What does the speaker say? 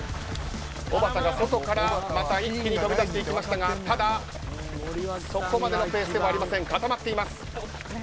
おばたが外から一気に飛び出していきましたがただ、そこまでのハイペースではありません固まっています。